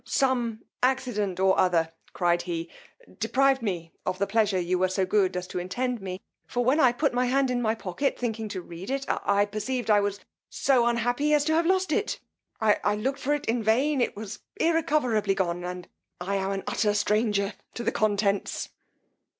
Some accident or other, cried he, deprived me of the pleasure you were so good to intend me; for when I put my hand in my pocket thinking to read it, I perceived I was so unhappy as to have lost, it: I looked for it in vain: it was irrecoverably gone, and I am an utter stranger to the contents.